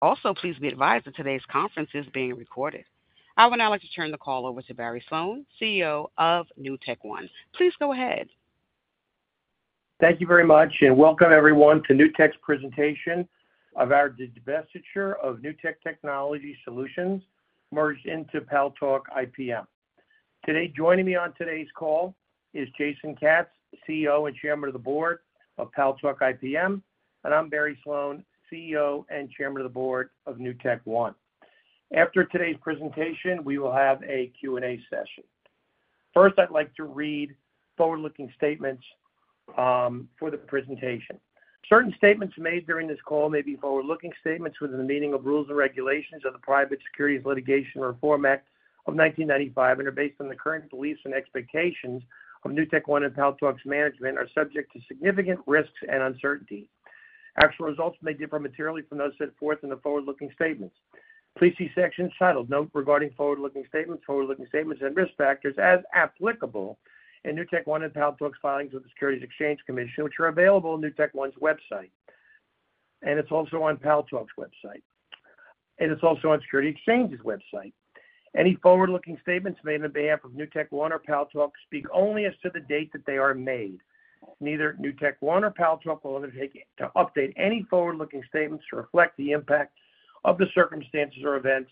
Also, please be advised that today's conference is being recorded. I will now like to turn the call over to Barry Sloan, CEO of NewtekOne. Please go ahead. Thank you very much, and welcome everyone to Newtek's presentation of our divestiture of Newtek Technology Solutions merged into Paltalk IPM. Today, joining me on today's call is Jason Katz, CEO and Chairman of the Board of Paltalk IPM, and I'm Barry Sloan, CEO and Chairman of the Board of NewtekOne. After today's presentation, we will have a Q&A session. First, I'd like to read forward-looking statements for the presentation. Certain statements made during this call may be forward-looking statements within the meaning of rules and regulations of the Private Securities Litigation Reform Act of 1995 and are based on the current beliefs and expectations of NewtekOne and Paltalk's management, are subject to significant risks and uncertainty. Actual results may differ materially from those set forth in the forward-looking statements. Please see sections titled Note Regarding Forward-Looking Statements, Forward-Looking Statements, and Risk Factors as Applicable in NewtekOne and Paltalk's Filings with the Securities and Exchange Commission, which are available on NewtekOne's website, and it's also on Paltalk's website, and it's also on Securities and Exchange's website. Any forward-looking statements made on behalf of NewtekOne or Paltalk speak only as to the date that they are made. Neither NewtekOne nor Paltalk will undertake to update any forward-looking statements to reflect the impact of the circumstances or events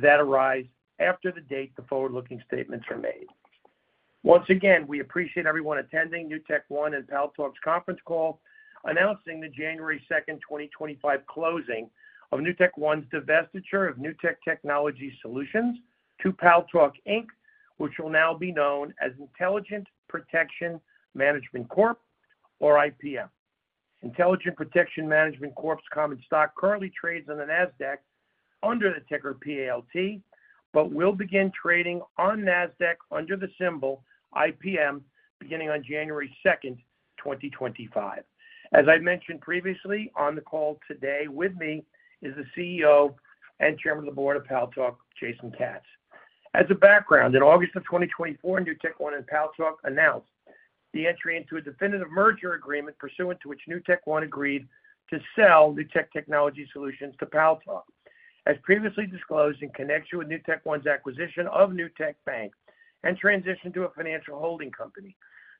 that arise after the date the forward-looking statements are made. Once again, we appreciate everyone attending NewtekOne and Paltalk's conference call announcing the January 2nd, 2025, closing of NewtekOne's divestiture of Newtek Technology Solutions to Paltalk, Inc., which will now be known as Intelligent Protection Management Corp., or IPM. Intelligent Protection Management Corp's common stock currently trades on the Nasdaq under the ticker PALT, but will begin trading on Nasdaq under the symbol IPM beginning on January 2nd, 2025. As I mentioned previously, on the call today with me is the CEO and Chairman of the Board of Paltalk, Jason Katz. As a background, in August of 2024, NewtekOne and Paltalk announced the entry into a definitive merger agreement pursuant to which NewtekOne agreed to sell Newtek Technology Solutions to Paltalk. As previously disclosed, in connection with NewtekOne's acquisition of Newtek Bank and transition to a financial holding company,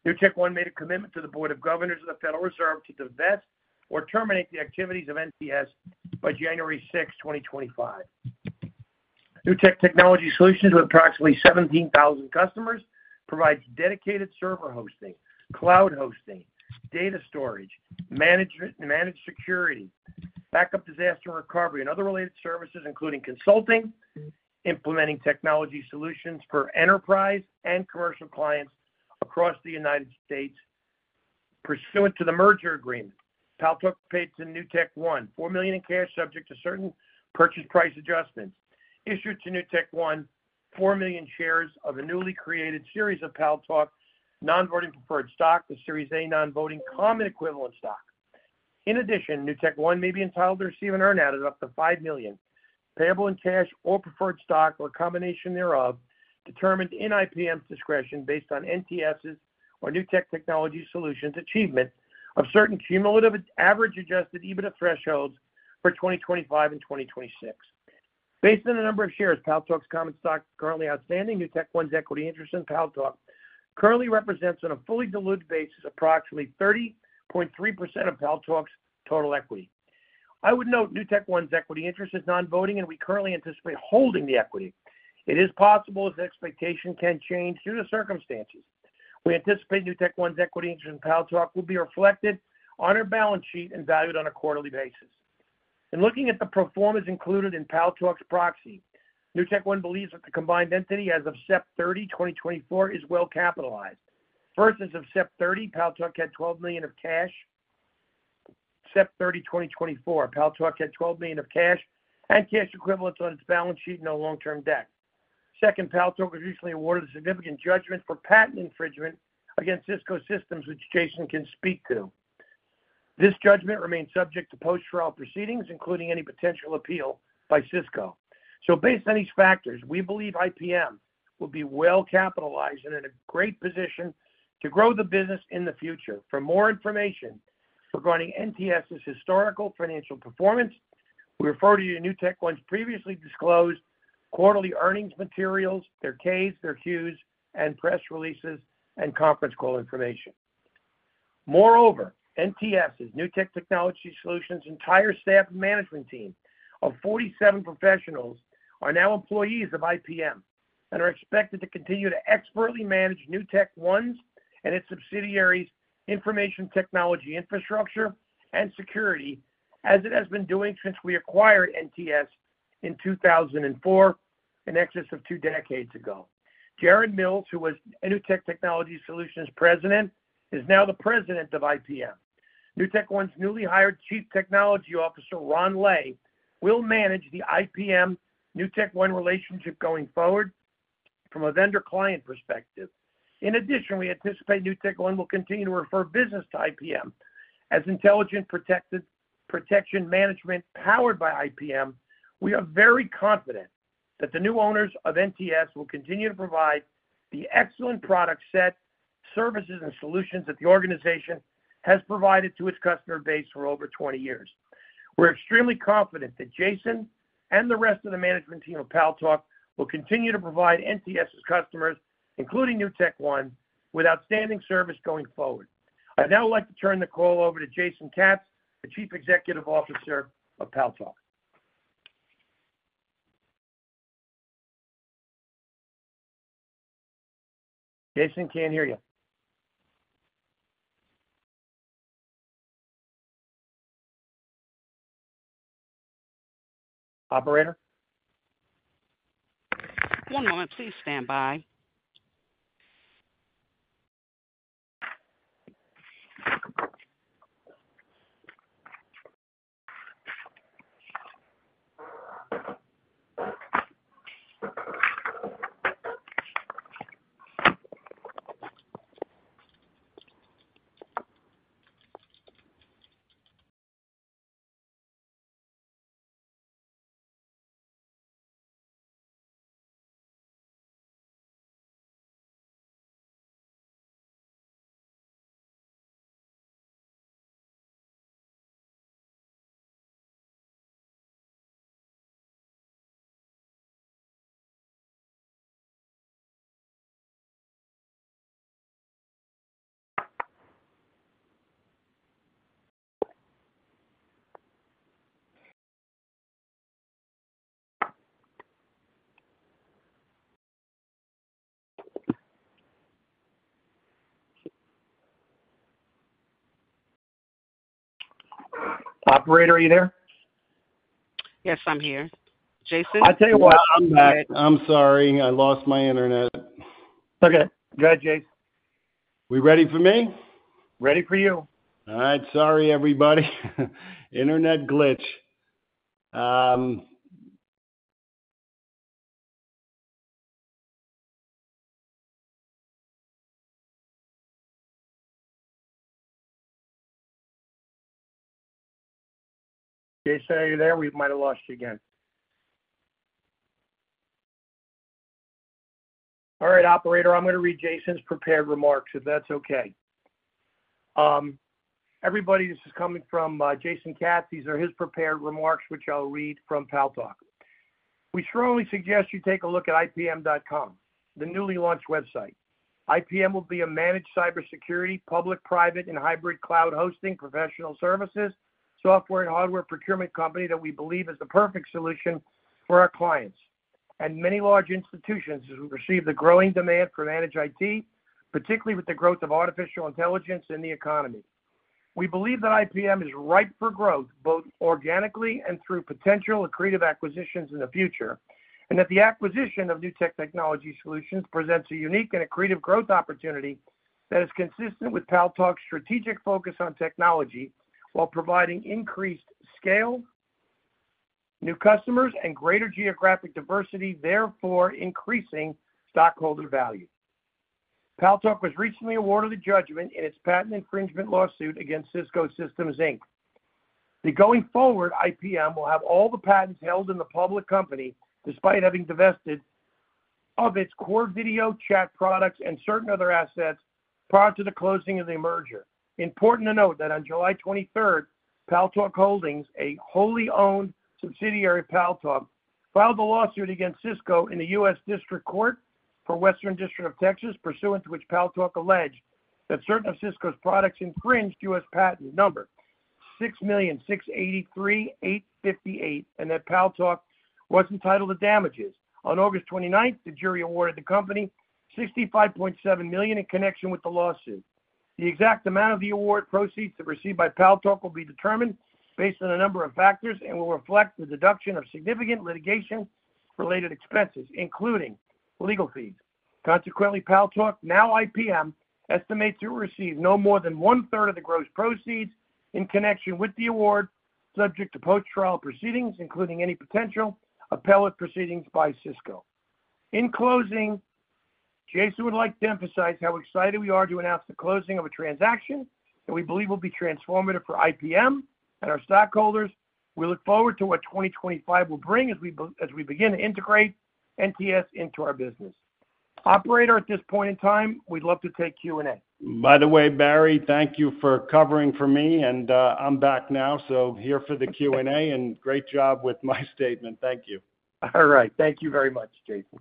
NewtekOne made a commitment to the Board of Governors of the Federal Reserve to divest or terminate the activities of NTS by January 6th, 2025. Newtek Technology Solutions, with approximately 17,000 customers, provides dedicated server hosting, cloud hosting, data storage, managed security, backup, disaster, and recovery, and other related services, including consulting, implementing technology solutions for enterprise and commercial clients across the United States. Pursuant to the merger agreement, Paltalk paid to NewtekOne $4 million in cash, subject to certain purchase price adjustments. Issued to NewtekOne $4 million shares of a newly created series of Paltalk, non-voting preferred stock, the Series A Non-Voting Common Equivalent Stock. In addition, NewtekOne may be entitled to receive an earn-out of up to $5 million, payable in cash or preferred stock, or a combination thereof, determined in IPM's discretion based on NTS's or Newtek Technology Solutions' achievement of certain cumulative average Adjusted EBITDA thresholds for 2025 and 2026. Based on the number of shares Paltalk's common stock currently outstanding, NewtekOne's equity interest in Paltalk currently represents, on a fully diluted basis, approximately 30.3% of Paltalk's total equity. I would note NewtekOne's equity interest is non-voting, and we currently anticipate holding the equity. It is possible as the expectation can change due to circumstances. We anticipate NewtekOne's equity interest in Paltalk will be reflected on our balance sheet and valued on a quarterly basis. In looking at the performance included in Paltalk's proxy, NewtekOne believes that the combined entity as of September 30, 2024 is well capitalized. First, as of September 30, Paltalk had $12 million of cash. September 30, 2024, Paltalk had $12 million of cash and cash equivalents on its balance sheet and no long-term debt. Second, Paltalk was recently awarded a significant judgment for patent infringement against Cisco Systems, which Jason can speak to. This judgment remains subject to post-trial proceedings, including any potential appeal by Cisco. So based on these factors, we believe IPM will be well capitalized and in a great position to grow the business in the future. For more information regarding NTS's historical financial performance, we refer you to NewtekOne's previously disclosed quarterly earnings materials, their 10-Ks, their 10-Qs, and press releases and conference call information. Moreover, Newtek Technology Solutions' entire staff and management team of 47 professionals are now employees of IPM and are expected to continue to expertly manage NewtekOne's and its subsidiaries' information technology infrastructure and security as it has been doing since we acquired NTS in 2004, in excess of two decades ago. Jared Mills, who was a Newtek Technology Solutions president, is now the president of IPM. NewtekOne's newly hired Chief Technology Officer, Ron Ley, will manage the IPM-NewtekOne relationship going forward from a vendor-client perspective. In addition, we anticipate NewtekOne will continue to refer business to IPM. As Intelligent Protection Management powered by IPM, we are very confident that the new owners of NTS will continue to provide the excellent product set, services, and solutions that the organization has provided to its customer base for over 20 years. We're extremely confident that Jason and the rest of the management team of Paltalk will continue to provide NTS's customers, including NewtekOne, with outstanding service going forward. I'd now like to turn the call over to Jason Katz, the Chief Executive Officer of Paltalk. Jason, can't hear you. Operator? One moment, please stand by. Operator, are you there? Yes, I'm here. Jason? I'll tell you what, I'm back. I'm sorry, I lost my internet. Okay. Go ahead, Jason. We ready for me? Ready for you. All right. Sorry, everybody. Internet glitch. Jason, are you there? We might have lost you again. All right, Operator, I'm going to read Jason's prepared remarks, if that's okay. Everybody, this is coming from Jason Katz. These are his prepared remarks, which I'll read from Paltalk. "We strongly suggest you take a look at ipm.com, the newly launched website. IPM will be a managed cybersecurity, public, private, and hybrid cloud hosting professional services, software, and hardware procurement company that we believe is the perfect solution for our clients and many large institutions as we perceive the growing demand for managed IT, particularly with the growth of artificial intelligence in the economy. We believe that IPM is ripe for growth, both organically and through potential accretive acquisitions in the future, and that the acquisition of Newtek Technology Solutions presents a unique and accretive growth opportunity that is consistent with Paltalk's strategic focus on technology while providing increased scale, new customers, and greater geographic diversity, therefore increasing stockholder value. Paltalk was recently awarded a judgment in its patent infringement lawsuit against Cisco Systems, Inc. The going-forward IPM will have all the patents held in the public company despite having divested of its core video chat products and certain other assets prior to the closing of the merger. Important to note that on July 23rd, Paltalk Holdings, a wholly-owned subsidiary of Paltalk, filed a lawsuit against Cisco in the U.S. District Court for Western District of Texas, pursuant to which Paltalk alleged that certain of Cisco's products infringed U.S. Patent number 6,683,858 and that Paltalk was entitled to damages. On August 29th, the jury awarded the company $65.7 million in connection with the lawsuit. The exact amount of the award proceeds to be received by Paltalk will be determined based on a number of factors and will reflect the deduction of significant litigation-related expenses, including legal fees. Consequently, Paltalk, now IPM, estimates it will receive no more than one-third of the gross proceeds in connection with the award, subject to post-trial proceedings, including any potential appellate proceedings by Cisco. In closing, Jason would like to emphasize how excited we are to announce the closing of a transaction that we believe will be transformative for IPM and our stockholders. We look forward to what 2025 will bring as we begin to integrate NTS into our business. Operator, at this point in time, we'd love to take Q&A. By the way, Barry, thank you for covering for me, and I'm back now, so here for the Q&A, and great job with my statement. Thank you. All right. Thank you very much, Jason.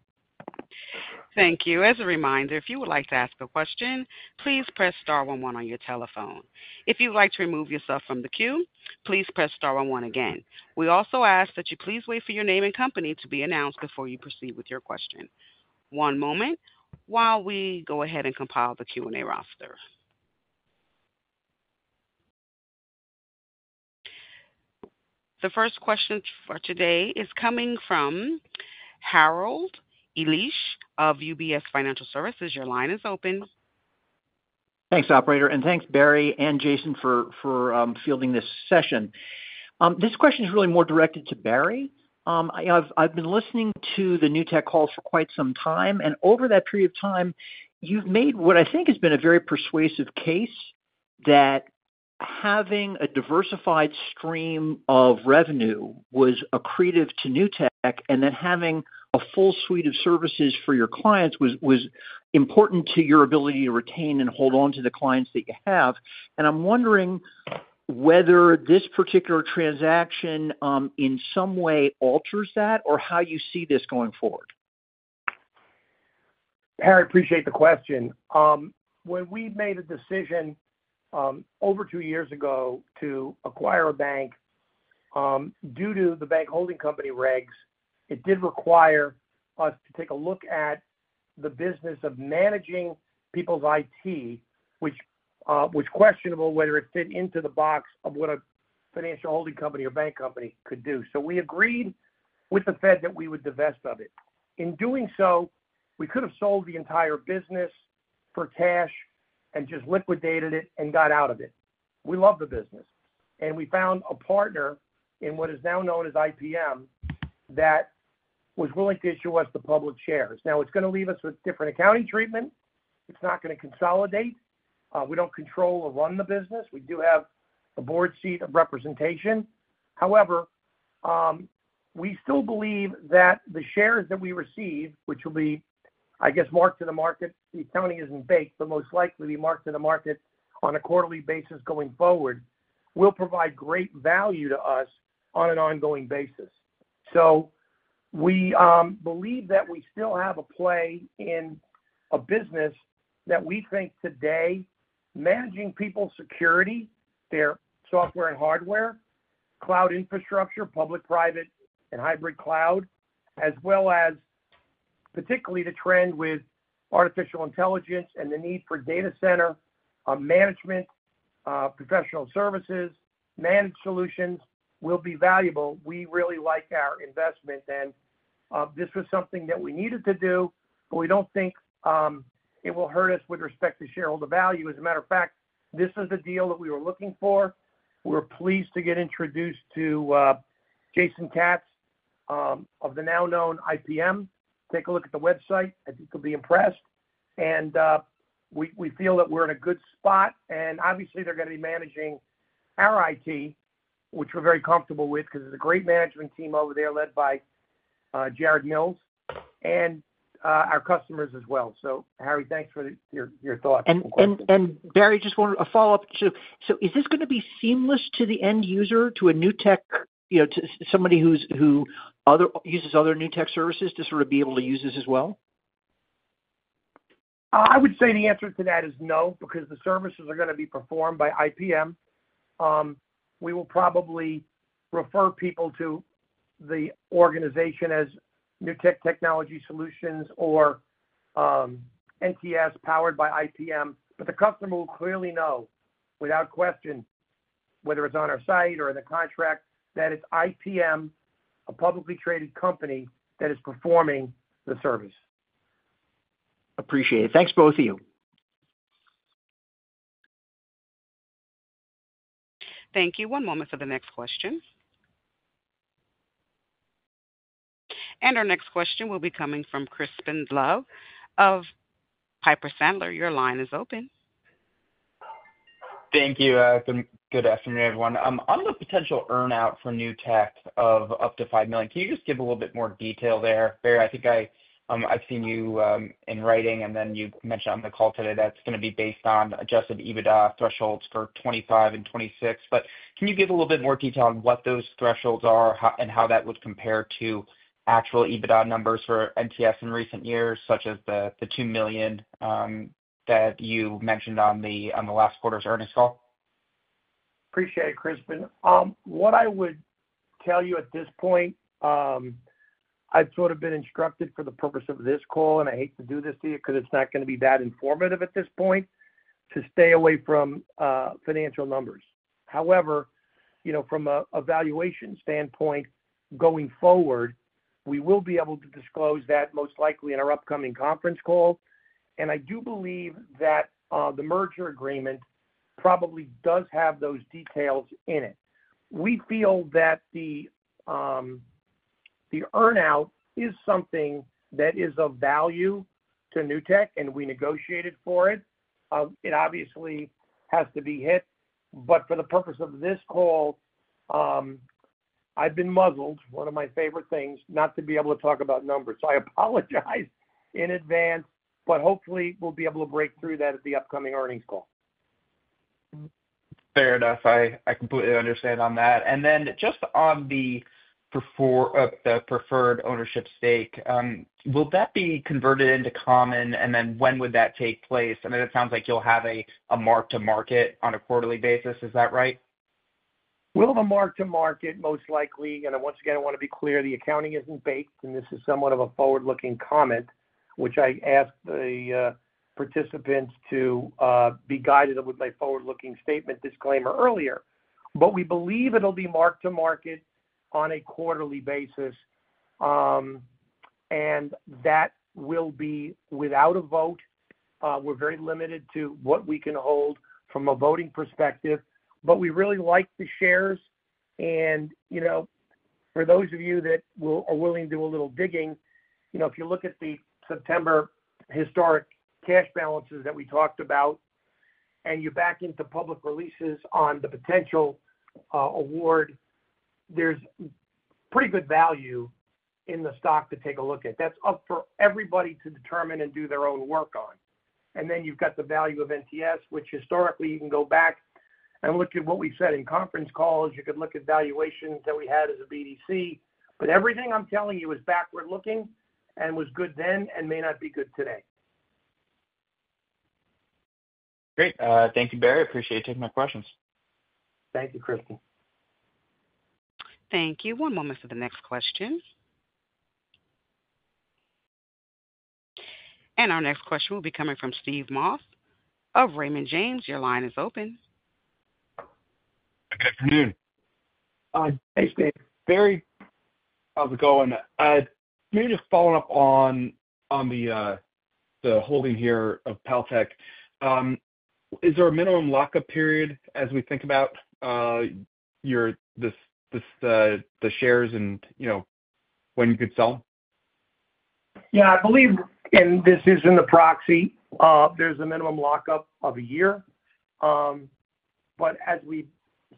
Thank you. As a reminder, if you would like to ask a question, please press star one one on your telephone. If you'd like to remove yourself from the queue, please press star one one again. We also ask that you please wait for your name and company to be announced before you proceed with your question. One moment while we go ahead and compile the Q&A roster. The first question for today is coming from Harold Illich of UBS Financial Services. Your line is open. Thanks, Operator, and thanks, Barry and Jason, for fielding this session. This question is really more directed to Barry. I've been listening to the Newtek calls for quite some time, and over that period of time, you've made what I think has been a very persuasive case that having a diversified stream of revenue was accretive to Newtek and that having a full suite of services for your clients was important to your ability to retain and hold on to the clients that you have, and I'm wondering whether this particular transaction in some way alters that or how you see this going forward. Harry, I appreciate the question. When we made a decision over two years ago to acquire a bank due to the bank holding company regs, it did require us to take a look at the business of managing people's IT, which was questionable whether it fit into the box of what a financial holding company or bank company could do. So we agreed with the Fed that we would divest of it. In doing so, we could have sold the entire business for cash and just liquidated it and got out of it. We loved the business, and we found a partner in what is now known as IPM that was willing to issue us the public shares. Now, it's going to leave us with different accounting treatment. It's not going to consolidate. We don't control or run the business. We do have a board seat of representation. However, we still believe that the shares that we receive, which will be, I guess, marked to the market, the accounting isn't baked, but most likely will be marked to the market on a quarterly basis going forward, will provide great value to us on an ongoing basis, so we believe that we still have a play in a business that we think today managing people's security, their software and hardware, cloud infrastructure, public, private, and hybrid cloud, as well as particularly the trend with artificial intelligence and the need for data center management, professional services, managed solutions will be valuable. We really like our investment, and this was something that we needed to do, but we don't think it will hurt us with respect to shareholder value. As a matter of fact, this was the deal that we were looking for. We're pleased to get introduced to Jason Katz of the now-known IPM. Take a look at the website. I think you'll be impressed, and we feel that we're in a good spot, and obviously, they're going to be managing our IT, which we're very comfortable with because there's a great management team over there led by Jared Mills and our customers as well, so Harry, thanks for your thoughts. Barry, just a follow-up. Is this going to be seamless to the end user, to a Newtek, to somebody who uses other Newtek services to sort of be able to use this as well? I would say the answer to that is no because the services are going to be performed by IPM. We will probably refer people to the organization as Newtek Technology Solutions or NTS powered by IPM, but the customer will clearly know without question, whether it's on our site or in the contract, that it's IPM, a publicly traded company that is performing the service. Appreciate it. Thanks, both of you. Thank you. One moment for the next question. Our next question will be coming from Crispin Love of Piper Sandler. Your line is open. Thank you. Good afternoon, everyone. On the potential earn-out for Newtek of up to $5 million, can you just give a little bit more detail there? Barry, I think I've seen you in writing, and then you mentioned on the call today that it's going to be based on adjusted EBITDA thresholds for 2025 and 2026. But can you give a little bit more detail on what those thresholds are and how that would compare to actual EBITDA numbers for NTS in recent years, such as the $2 million that you mentioned on the last quarter's earnings call? Appreciate it, Chris. What I would tell you at this point, I've sort of been instructed for the purpose of this call, and I hate to do this to you because it's not going to be that informative at this point, to stay away from financial numbers. However, from a valuation standpoint going forward, we will be able to disclose that most likely in our upcoming conference call. And I do believe that the merger agreement probably does have those details in it. We feel that the earn-out is something that is of value to Newtek, and we negotiated for it. It obviously has to be hit. But for the purpose of this call, I've been muzzled, one of my favorite things, not to be able to talk about numbers. So I apologize in advance, but hopefully, we'll be able to break through that at the upcoming earnings call. Fair enough. I completely understand on that. And then just on the preferred ownership stake, will that be converted into common, and then when would that take place? I mean, it sounds like you'll have a mark-to-market on a quarterly basis. Is that right? We'll have a mark-to-market most likely, and once again, I want to be clear, the accounting isn't baked, and this is somewhat of a forward-looking comment, which I asked the participants to be guided with my forward-looking statement disclaimer earlier, but we believe it'll be mark-to-market on a quarterly basis, and that will be without a vote. We're very limited to what we can hold from a voting perspective, but we really like the shares, and for those of you that are willing to do a little digging, if you look at the September historic cash balances that we talked about and you back into public releases on the potential award, there's pretty good value in the stock to take a look at. That's up for everybody to determine and do their own work on. And then you've got the value of NTS, which historically you can go back and look at what we said in conference calls. You could look at valuations that we had as a BDC, but everything I'm telling you is backward-looking and was good then and may not be good today. Great. Thank you, Barry. Appreciate you taking my questions. Thank you, Chris. Thank you. One moment for the next question, and our next question will be coming from Stephen Moss of Raymond James. Your line is open. Good afternoon. Hi, Jason. Barry, how's it going? Just following up on the holding here of Paltalk, is there a minimum lock-up period as we think about the shares and when you could sell? Yeah. I believe, and this is in the proxy, there's a minimum lock-up of a year. But as we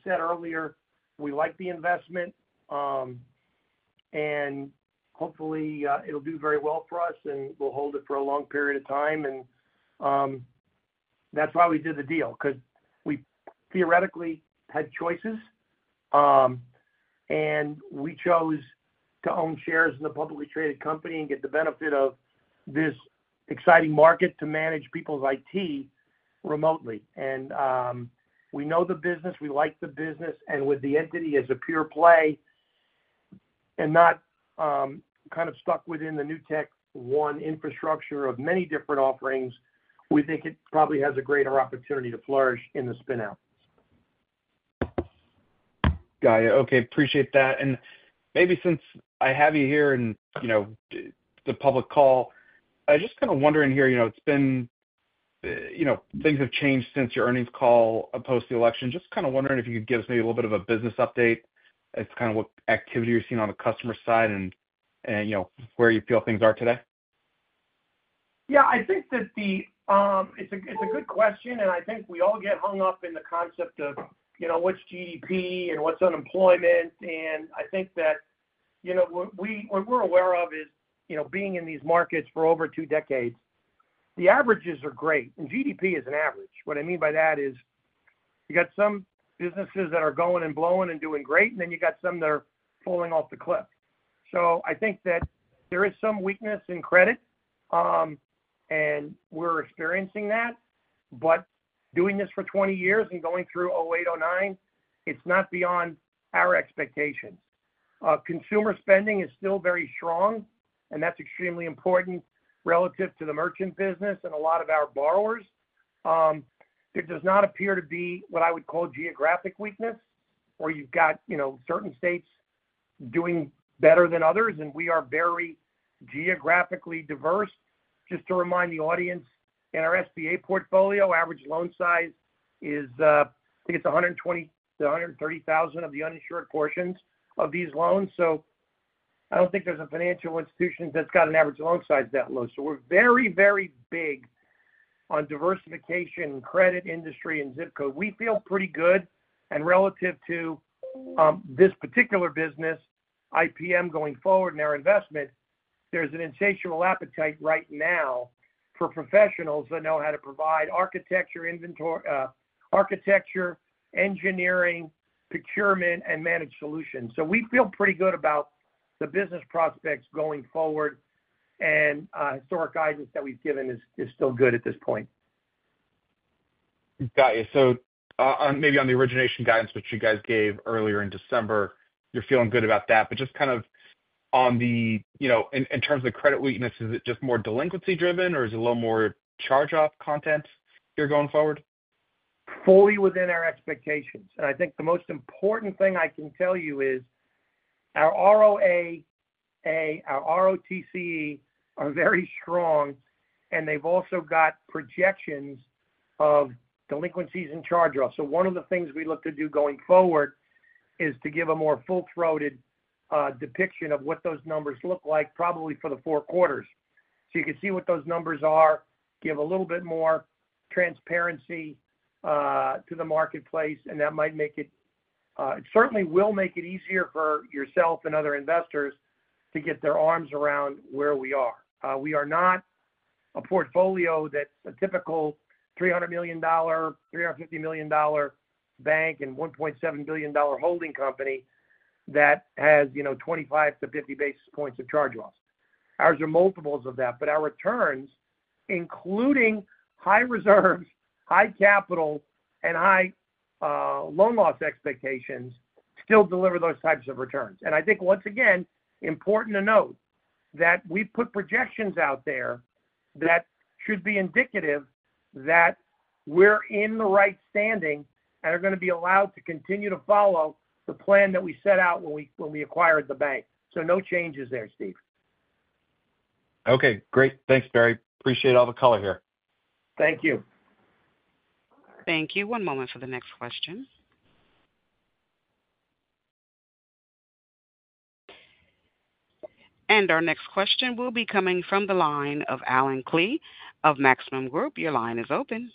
said earlier, we like the investment, and hopefully, it'll do very well for us, and we'll hold it for a long period of time. And that's why we did the deal because we theoretically had choices, and we chose to own shares in the publicly traded company and get the benefit of this exciting market to manage people's IT remotely. And we know the business. We like the business. And with the entity as a pure play and not kind of stuck within the NewtekOne infrastructure of many different offerings, we think it probably has a greater opportunity to flourish in the spin-out. Got it. Okay. Appreciate that. And maybe since I have you here in the public call, I was just kind of wondering here, it's been, things have changed since your earnings call post-election. Just kind of wondering if you could give us maybe a little bit of a business update as to kind of what activity you're seeing on the customer side and where you feel things are today. Yeah. I think that it's a good question, and I think we all get hung up in the concept of what's GDP and what's unemployment. And I think that what we're aware of is being in these markets for over two decades, the averages are great, and GDP is an average. What I mean by that is you got some businesses that are going and blowing and doing great, and then you got some that are falling off the cliff, so I think that there is some weakness in credit, and we're experiencing that, but doing this for 20 years and going through 2008, 2009, it's not beyond our expectations. Consumer spending is still very strong, and that's extremely important relative to the merchant business and a lot of our borrowers. There does not appear to be what I would call geographic weakness, or you've got certain states doing better than others, and we are very geographically diverse. Just to remind the audience, in our SBA portfolio, average loan size is, I think it's $120,000-$130,000 of the uninsured portions of these loans. So I don't think there's a financial institution that's got an average loan size that low. So we're very, very big on diversification in credit industry and ZIP code. We feel pretty good. And relative to this particular business, IPM going forward in our investment, there's an insatiable appetite right now for professionals that know how to provide architecture, engineering, procurement, and managed solutions. So we feel pretty good about the business prospects going forward, and historic guidance that we've given is still good at this point. Got you. So maybe on the origination guidance, which you guys gave earlier in December, you're feeling good about that. But just kind of on the, in terms of the credit weakness, is it just more delinquency-driven, or is it a little more charge-off content here going forward? Fully within our expectations, and I think the most important thing I can tell you is our ROAA, our ROTCE are very strong, and they've also got projections of delinquencies and charge-offs, so one of the things we look to do going forward is to give a more full-throated depiction of what those numbers look like, probably for the four quarters, so you can see what those numbers are, give a little bit more transparency to the marketplace, and that might make it. It certainly will make it easier for yourself and other investors to get their arms around where we are. We are not a portfolio that's a typical $300 million-$350 million bank and $1.7 billion holding company that has 25-50 basis points of charge-offs. Ours are multiples of that, but our returns, including high reserves, high capital, and high loan loss expectations, still deliver those types of returns. And I think, once again, important to note that we've put projections out there that should be indicative that we're in the right standing and are going to be allowed to continue to follow the plan that we set out when we acquired the bank. So no changes there, Steve. Okay. Great. Thanks, Barry. Appreciate all the color here. Thank you. Thank you. One moment for the next question. And our next question will be coming from the line of Allen Klee of Maxim Group. Your line is open.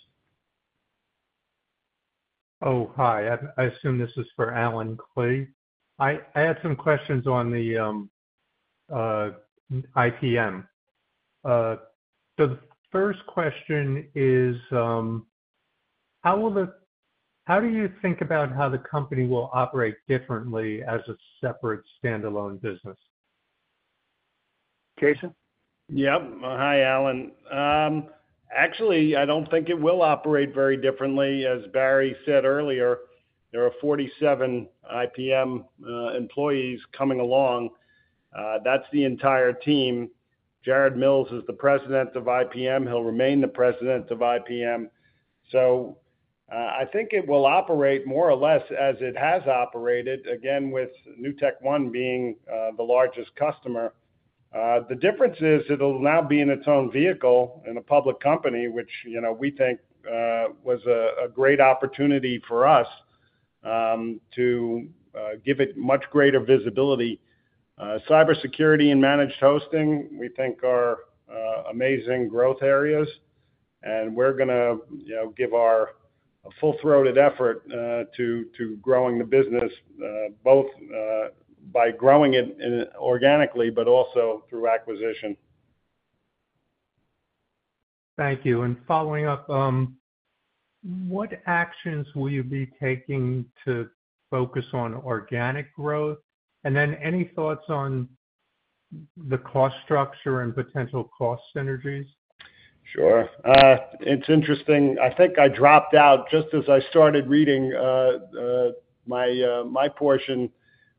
Oh, hi. I assume this is for Allen Klee. I had some questions on the IPM. So the first question is, how do you think about how the company will operate differently as a separate standalone business? Jason? Yep. Hi, Allen. Actually, I don't think it will operate very differently. As Barry said earlier, there are 47 IPM employees coming along. That's the entire team. Jared Mills is the president of IPM. He'll remain the president of IPM. So I think it will operate more or less as it has operated, again, with NewtekOne being the largest customer. The difference is it'll now be in its own vehicle in a public company, which we think was a great opportunity for us to give it much greater visibility. Cybersecurity and managed hosting, we think, are amazing growth areas, and we're going to give our full-throated effort to growing the business, both by growing it organically but also through acquisition. Thank you. And following up, what actions will you be taking to focus on organic growth? And then any thoughts on the cost structure and potential cost synergies? Sure. It's interesting. I think I dropped out just as I started reading my portion,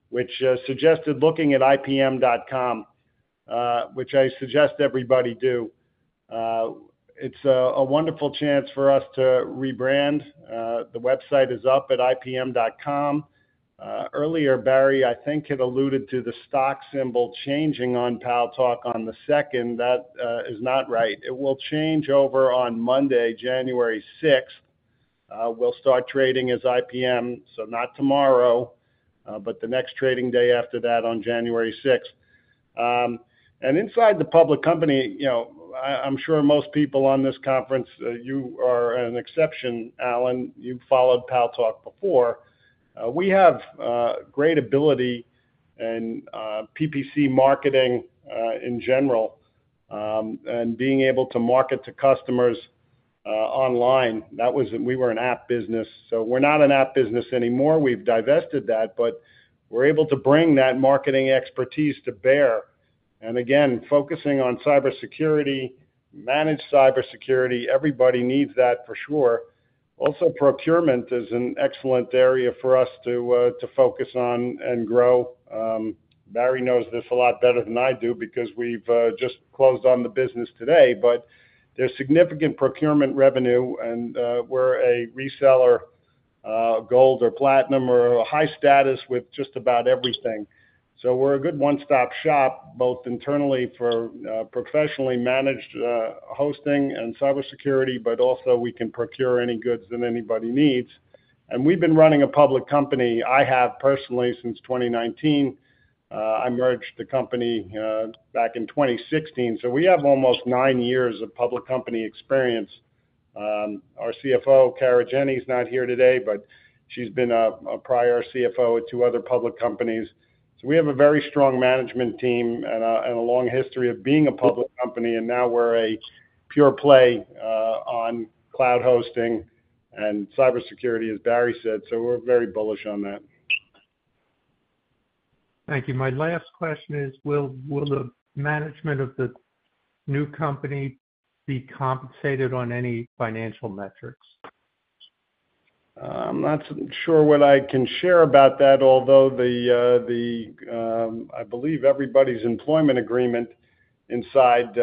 which suggested looking at IPM.com, which I suggest everybody do. It's a wonderful chance for us to rebrand. The website is up at IPM.com. Earlier, Barry, I think, had alluded to the stock symbol changing on Paltalk on the 2nd. That is not right. It will change over on Monday, January 6th. We'll start trading as IPM, so not tomorrow, but the next trading day after that on January 6th. And inside the public company, I'm sure most people on this conference, you are an exception, Allen. You've followed Paltalk before. We have great ability in PPC marketing in general and being able to market to customers online. We were an app business, so we're not an app business anymore. We've divested that, but we're able to bring that marketing expertise to bear. And again, focusing on cybersecurity, managed cybersecurity, everybody needs that for sure. Also, procurement is an excellent area for us to focus on and grow. Barry knows this a lot better than I do because we've just closed on the business today, but there's significant procurement revenue, and we're a reseller, Gold or Platinum, or high status with just about everything. So we're a good one-stop shop, both internally for professionally managed hosting and cybersecurity, but also we can procure any goods that anybody needs. And we've been running a public company. I have personally since 2019. I merged the company back in 2016. So we have almost nine years of public company experience. Our CFO, Kara Jenny, is not here today, but she's been a prior CFO at two other public companies. So we have a very strong management team and a long history of being a public company. Now we're a pure play on cloud hosting and cybersecurity, as Barry said. We're very bullish on that. Thank you. My last question is, will the management of the new company be compensated on any financial metrics? I'm not sure what I can share about that, although I believe everybody's employment agreement inside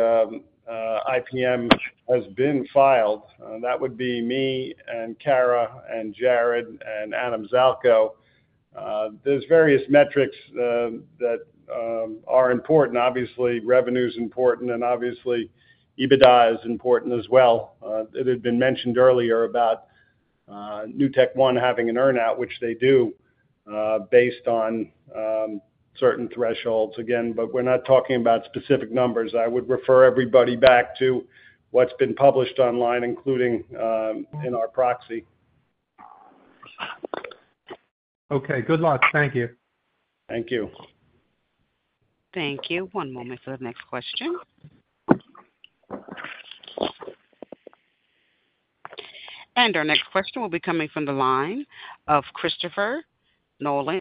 IPM has been filed. That would be me and Kara and Jared and Adam Zalko. There's various metrics that are important. Obviously, revenue is important, and obviously, EBITDA is important as well. It had been mentioned earlier about NewtekOne having an earn-out, which they do based on certain thresholds. Again, but we're not talking about specific numbers. I would refer everybody back to what's been published online, including in our proxy. Okay. Good luck. Thank you. Thank you. Thank you. One moment for the next question. And our next question will be coming from the line of Christopher Nolan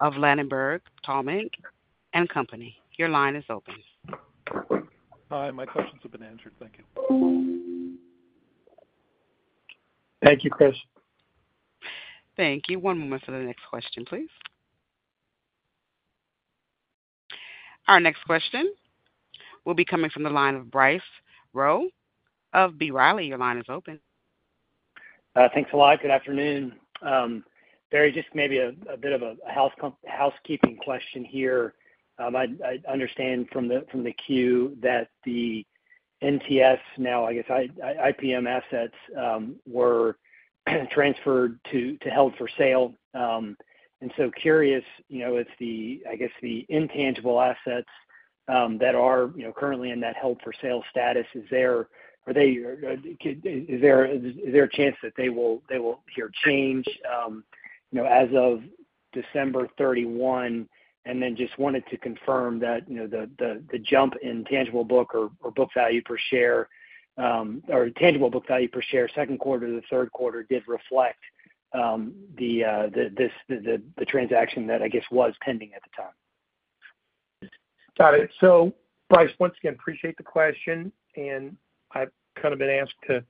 of Ladenburg Thalmann & Co. Inc. Your line is open. Hi. My questions have been answered. Thank you. Thank you, Chris. Thank you. One moment for the next question, please. Our next question will be coming from the line of Bryce Rowe of B. Riley. Your line is open. Thanks a lot. Good afternoon. Barry, just maybe a bit of a housekeeping question here. I understand from the queue that the NTS, now I guess IPM assets, were transferred to held for sale. And so curious if the, I guess, the intangible assets that are currently in that held for sale status. Is there a chance that they will here change as of December 31? And then just wanted to confirm that the jump in tangible book or book value per share or tangible book value per share, second quarter to third quarter, did reflect the transaction that, I guess, was pending at the time. Got it. So Bryce, once again, I appreciate the question. And I've kind of been asked to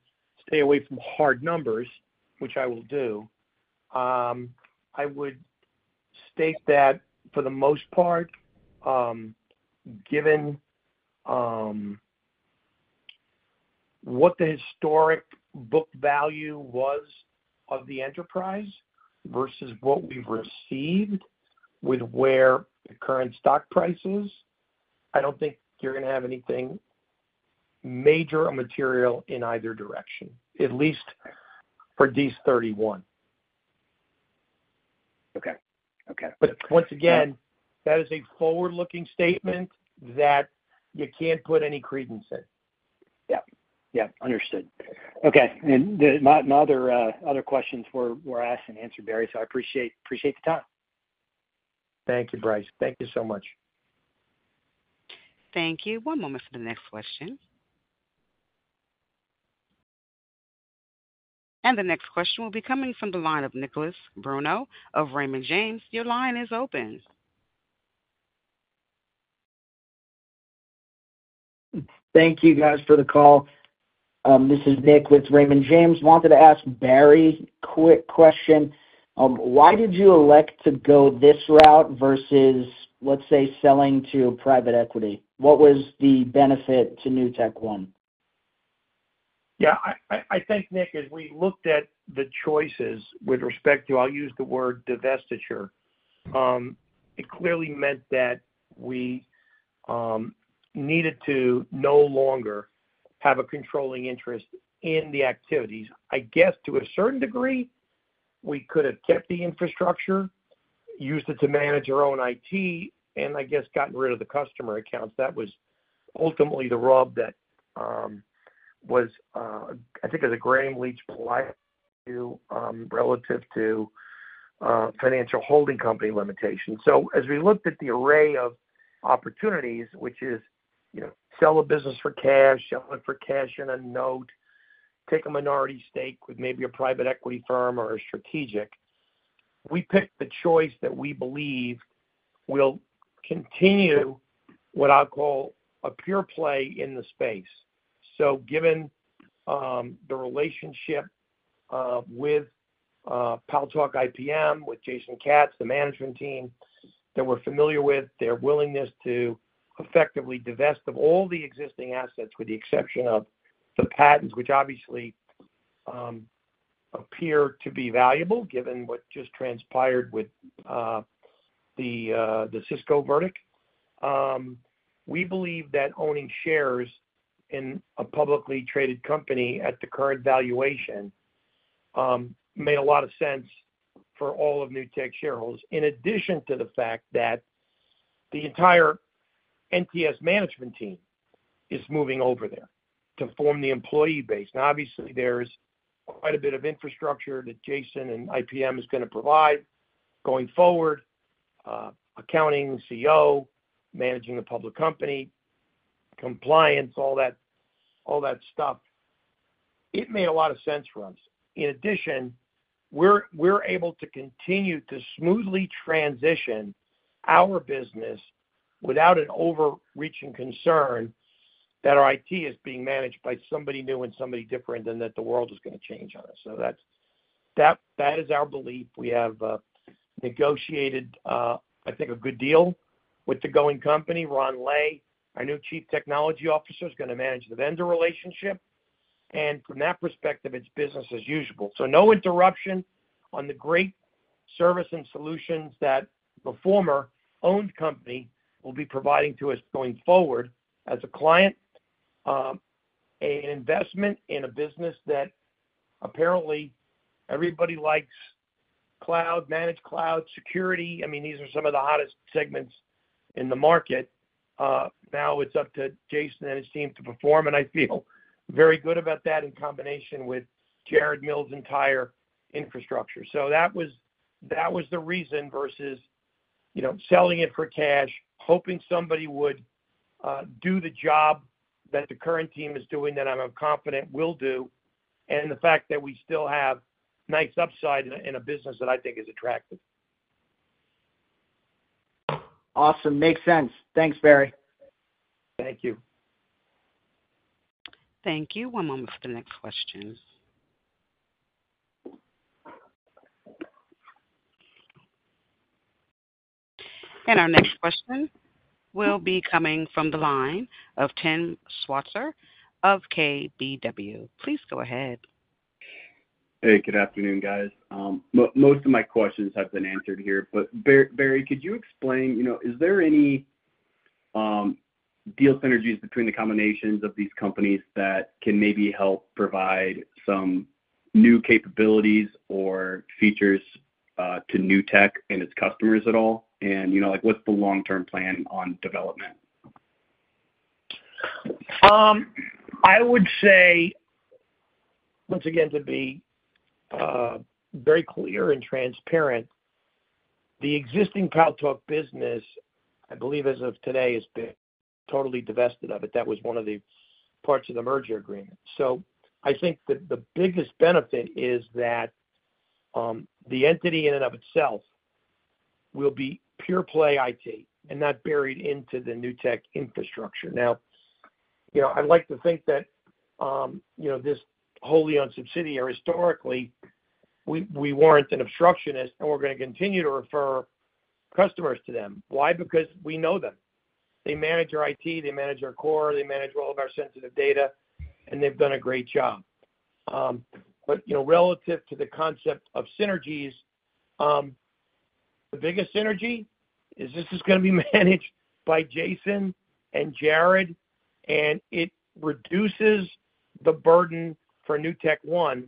stay away from hard numbers, which I will do. I would state that for the most part, given what the historic book value was of the enterprise versus what we've received with where the current stock price is, I don't think you're going to have anything major or material in either direction, at least for December 31. Okay. Okay. Once again, that is a forward-looking statement that you can't put any credence in. Yeah. Yeah. Understood. Okay, and my other questions were asked and answered, Barry, so I appreciate the time. Thank you, Bryce. Thank you so much. Thank you. One moment for the next question, and the next question will be coming from the line of Nicholas Bruno of Raymond James. Your line is open. Thank you, guys, for the call. This is Nick with Raymond James. Wanted to ask Barry a quick question. Why did you elect to go this route versus, let's say, selling to private equity? What was the benefit to NewtekOne? Yeah. I think, Nick, as we looked at the choices with respect to, I'll use the word divestiture, it clearly meant that we needed to no longer have a controlling interest in the activities. I guess to a certain degree, we could have kept the infrastructure, used it to manage our own IT, and I guess gotten rid of the customer accounts. That was ultimately the rub that was, I think, a regulatory prohibition relative to financial holding company limitations. So as we looked at the array of opportunities, which is sell a business for cash, sell it for cash in a note, take a minority stake with maybe a private equity firm or a strategic, we picked the choice that we believe will continue what I'll call a pure play in the space. Given the relationship with Paltalk IPM, with Jason Katz, the management team that we're familiar with, their willingness to effectively divest of all the existing assets with the exception of the patents, which obviously appear to be valuable given what just transpired with the Cisco verdict, we believe that owning shares in a publicly traded company at the current valuation made a lot of sense for all of Newtek shareholders. In addition to the fact that the entire NTS management team is moving over there to form the employee base. Now, obviously, there's quite a bit of infrastructure that Jason and IPM is going to provide going forward: accounting, CEO, managing a public company, compliance, all that stuff. It made a lot of sense for us. In addition, we're able to continue to smoothly transition our business without an overarching concern that our IT is being managed by somebody new and somebody different and that the world is going to change on us. So that is our belief. We have negotiated, I think, a good deal with the going company. Ron Ley, our new Chief Technology Officer, is going to manage the vendor relationship. And from that perspective, it's business as usual. So no interruption on the great service and solutions that the formerly owned company will be providing to us going forward as a client, an investment in a business that apparently everybody likes: cloud, managed cloud, security. I mean, these are some of the hottest segments in the market. Now it's up to Jason and his team to perform, and I feel very good about that in combination with Jared Mills' entire infrastructure. So, that was the reason versus selling it for cash, hoping somebody would do the job that the current team is doing that I'm confident will do, and the fact that we still have nice upside in a business that I think is attractive. Awesome. Makes sense. Thanks, Barry. Thank you. Thank you. One moment for the next question. And our next question will be coming from the line of Tim Switzer of KBW. Please go ahead. Hey, good afternoon, guys. Most of my questions have been answered here. But Barry, could you explain, is there any deal synergies between the combinations of these companies that can maybe help provide some new capabilities or features to New Tech and its customers at all? And what's the long-term plan on development? I would say, once again, to be very clear and transparent, the existing Paltalk business, I believe as of today, has been totally divested of it. That was one of the parts of the merger agreement. So I think that the biggest benefit is that the entity in and of itself will be pure play IT and not buried into the Newtek infrastructure. Now, I'd like to think that this wholly owned subsidiary, historically, we weren't an obstructionist, and we're going to continue to refer customers to them. Why? Because we know them. They manage our IT, they manage our core, they manage all of our sensitive data, and they've done a great job. But relative to the concept of synergies, the biggest synergy is this is going to be managed by Jason and Jared, and it reduces the burden for NewtekOne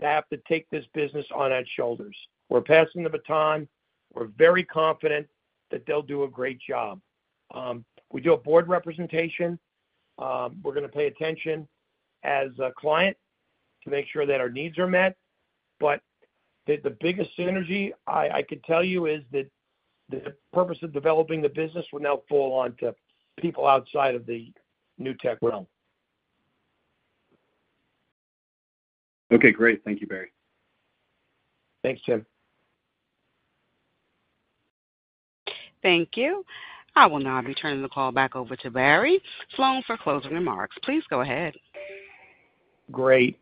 to have to take this business on its shoulders. We're passing the baton. We're very confident that they'll do a great job. We do have board representation. We're going to pay attention as a client to make sure that our needs are met. But the biggest synergy, I could tell you, is that the purpose of developing the business will now fall onto people outside of the Newtek realm. Okay. Great. Thank you, Barry. Thanks, Tim. Thank you. I will now return the call back over to Barry Sloan for closing remarks. Please go ahead. Great.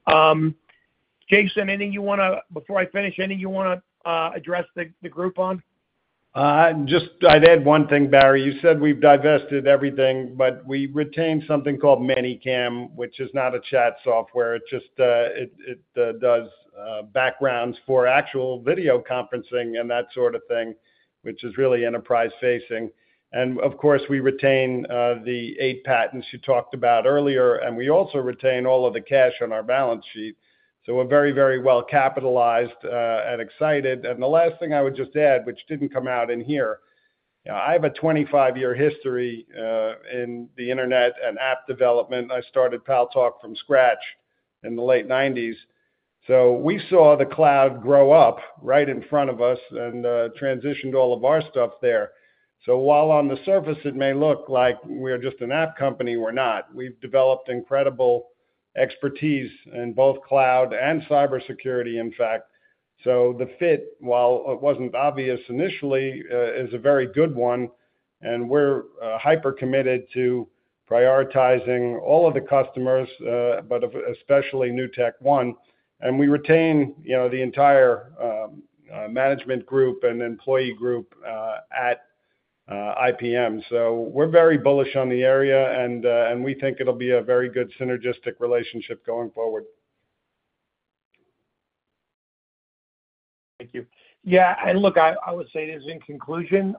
Jason, anything you want to, before I finish, anything you want to address the group on? I'd add one thing, Barry. You said we've divested everything, but we retain something called ManyCam, which is not a chat software. It just does backgrounds for actual video conferencing and that sort of thing, which is really enterprise-facing. Of course, we retain the eight patents you talked about earlier, and we also retain all of the cash on our balance sheet. So we're very, very well capitalized and excited. The last thing I would just add, which didn't come out in here, I have a 25-year history in the internet and app development. I started Paltalk from scratch in the late 1990s. So we saw the cloud grow up right in front of us and transitioned all of our stuff there. While on the surface, it may look like we're just an app company, we're not. We've developed incredible expertise in both cloud and cybersecurity, in fact, so the fit, while it wasn't obvious initially, is a very good one, and we're hyper-committed to prioritizing all of the customers, but especially NewtekOne, and we retain the entire management group and employee group at IPM, so we're very bullish on the area, and we think it'll be a very good synergistic relationship going forward. Thank you. Yeah. And look, I would say this in conclusion,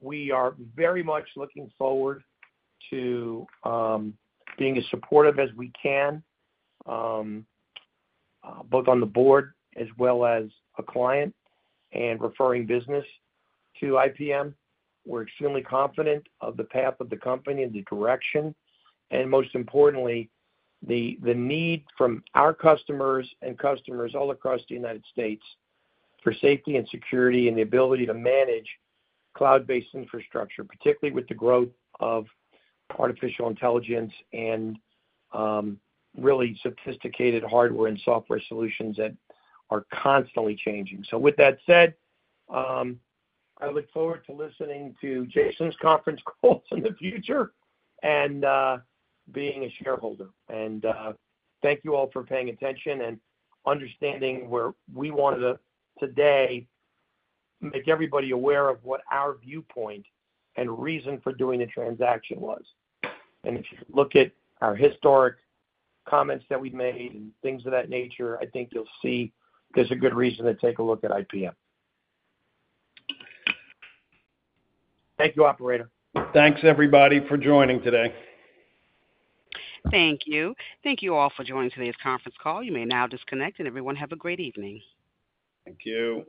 we are very much looking forward to being as supportive as we can, both on the board as well as a client and referring business to IPM. We're extremely confident of the path of the company and the direction. And most importantly, the need from our customers and customers all across the United States for safety and security and the ability to manage cloud-based infrastructure, particularly with the growth of artificial intelligence and really sophisticated hardware and software solutions that are constantly changing. So with that said, I look forward to listening to Jason's conference calls in the future and being a shareholder. And thank you all for paying attention and understanding where we wanted to today make everybody aware of what our viewpoint and reason for doing the transaction was. If you look at our historic comments that we've made and things of that nature, I think you'll see there's a good reason to take a look at IPM. Thank you, Operator. Thanks, everybody, for joining today. Thank you. Thank you all for joining today's conference call. You may now disconnect, and everyone have a great evening. Thank you.